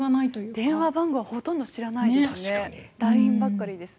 電話番号はほとんど知らないですね。